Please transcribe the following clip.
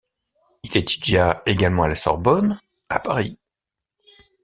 Il étudia également à la Sorbonne, à Paris.